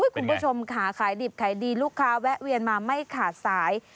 คุณผู้ชมค่ะขายดิบขายดีลูกค้าแวะเวียนมาไม่ขาดสาย